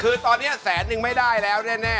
คือตอนนี้แสนนึงไม่ได้แล้วแน่